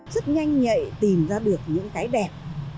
rất nhanh nhạy tìm ra được những cái đẹp